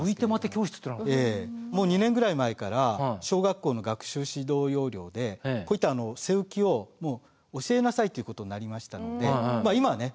もう２年ぐらい前から小学校の学習指導要領でこういった背浮きを教えなさいっていうことになりましたので今はね